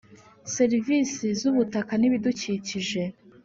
serivisi z ubutaka n ibidukikije